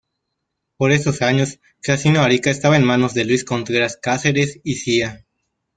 Por esos años, Casino Arica estaba en manos de Luis Contreras Cáceres y Cía.